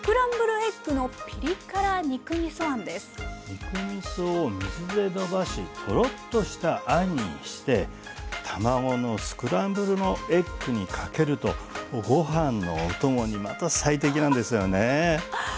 肉みそを水でのばしトロッとしたあんにして卵のスクランブルのエッグにかけるとご飯のお供にまた最適なんですよね。